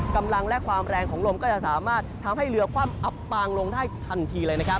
กำลังและความแรงของลมก็จะสามารถทำให้เรือคว่ำอับปางลงได้ทันทีเลยนะครับ